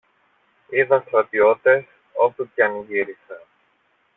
Είδα στρατιώτες όπου και αν γύρισα.